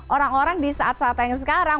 orang orang di saat saat yang sekarang